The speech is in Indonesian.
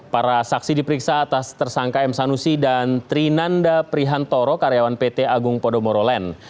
para saksi diperiksa atas tersangka m sanusi dan trinanda prihantoro karyawan pt agung podomoro land